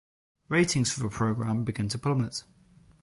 Ratings for the program began to plummet.